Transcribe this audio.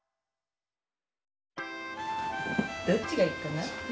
どっちがいいかな？